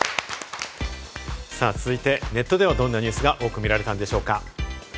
続いてネットではどんなニュースが多く見られたんでしょうか？